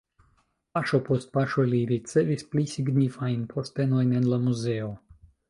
Paŝo post paŝo li ricevis pli signifajn postenojn en la muzeo.